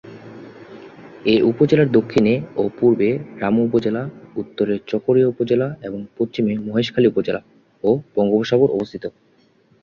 এ উপজেলার দক্ষিণে ও পূর্বে রামু উপজেলা, উত্তরে চকরিয়া উপজেলা এবং পশ্চিমে মহেশখালী উপজেলা ও বঙ্গোপসাগর অবস্থিত।